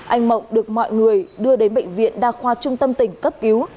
anh mộng được mọi người đưa đến bệnh viện đa khoa trung tâm tỉnh cấp cứu